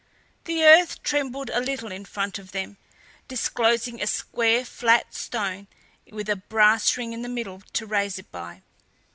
The earth trembled a little in front of them, disclosing a square flat stone with a brass ring in the middle to raise it by.